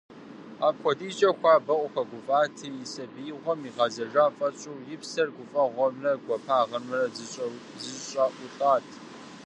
Апхуэдизкӏэ хуабэу къыхуэгуфӏати, и сабиигъуэм игъэзэжа фӏэщӏу, и псэр гуфӏэгъуэмрэ гуапагъэмрэ зэщӏаӏулӏат.